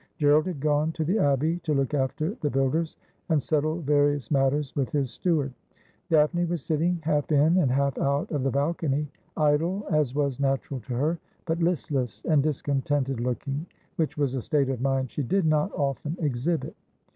Gerald had gone to the Abbey to look after the builders, and settle various matters with his steward. Daphne was sitting half in and half out of the balcony, idle as was natural to her, but listless and discontented looking, which was a state of mind she did not often exhibit.